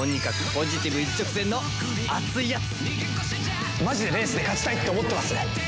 とにかくマジでレースで勝ちたいって思ってます。